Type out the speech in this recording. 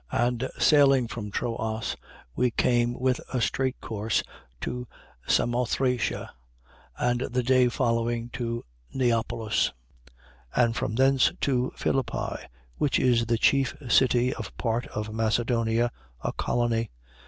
16:11. And sailing from Troas, we came with a straight course to Samothracia, and the day following to Neapolis. 16:12. And from thence to Philippi, which is the chief city of part of Macedonia, a colony.